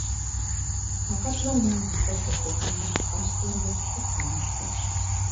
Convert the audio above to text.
پەقەتلا مىنىڭ ياساش ھوقۇقۇم بار باشقىلار ياسىسا قانۇنسىز.